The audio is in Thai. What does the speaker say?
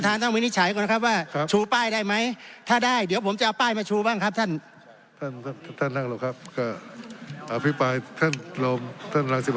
ท่านนั่งลงครับอภิปรายท่านลงช่วยคุณท่านประธานครับ